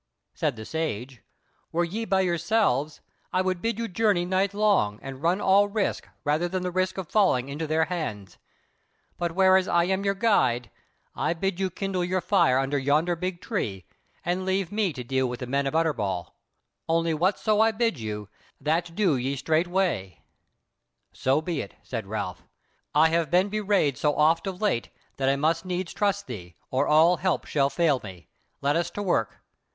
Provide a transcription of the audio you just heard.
Said the Sage: "Were ye by yourselves, I would bid you journey night long, and run all risk rather than the risk of falling into their hands. But whereas I am your guide, I bid you kindle your fire under yonder big tree, and leave me to deal with the men of Utterbol; only whatso I bid you, that do ye straightway." "So be it," said Ralph, "I have been bewrayed so oft of late, that I must needs trust thee, or all help shall fail me. Let us to work."